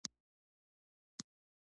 او په برخه یې ترمرګه پښېماني سي